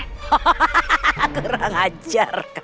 hahaha kurang ajar kamu